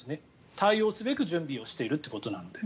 対応すべく準備をしているということなので。